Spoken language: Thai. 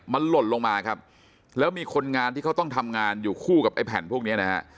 มันหล่นลงมาครับแล้วมีคนงานที่เขาต้องทำงานอยู่คู่กับไอ้แผ่นพวกเนี้ยนะฮะ